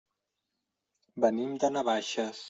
Venim de Navaixes.